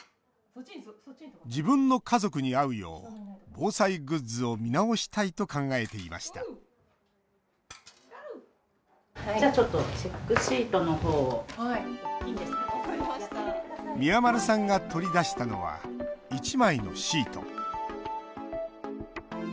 自分の家族に合うよう防災グッズを見直したいと考えていました宮丸さんが取り出したのは１枚のシート。